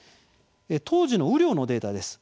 当時の雨量のデータです。